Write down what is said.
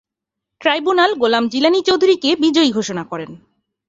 Tribunal Golam Jilani চৌধুরীকে বিজয়ী ঘোষণা করেন।